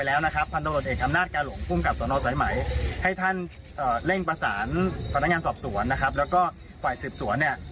แล้วก็ไหว้สืบสวนเนี่ย